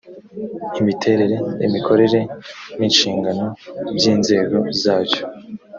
imiterere imikorere n’inshingano by’inzego zacyo